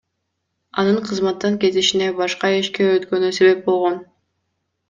Анын кызматтан кетишине башка ишке өткөнү себеп болгон.